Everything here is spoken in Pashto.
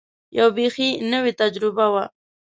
یوه بېخي نوې تجربه وه.